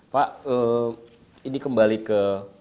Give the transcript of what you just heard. pak ini kembali ke